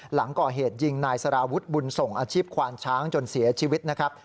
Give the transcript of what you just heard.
หลังก่อเหตุยิงนายสารวุฒิบุญส่งอาชีพควานช้างจนเสียชีวิตนะครับ